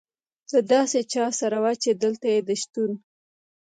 له داسې چا سره وه، چې دلته یې د شتون.